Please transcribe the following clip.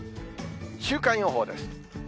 週間予報です。